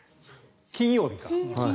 金曜日か。